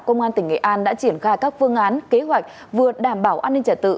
công an tỉnh nghệ an đã triển khai các phương án kế hoạch vừa đảm bảo an ninh trả tự